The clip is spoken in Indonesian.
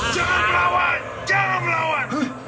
jangan melawan jangan melawan